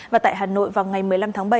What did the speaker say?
và tại hà nội vào ngày một mươi năm tháng bảy